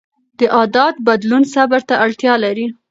د عادت بدلون صبر ته اړتیا لري.